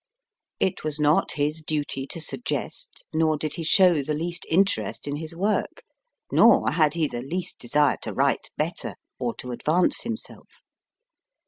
It was not his duty to suggest, nor did he show the least interest in his work, nor had he the least desire to write better or to advance himself.